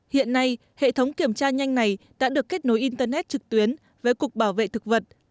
hiện nay hệ thống kiểm tra nhanh này đã được kết nối internet trực tuyến với cục bảo vệ thực vật